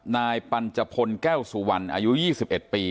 นายปัญจพลแก้วสุวรรณอายุ๒๑ปี